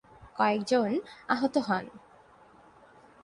কয়েক জন আহত হন।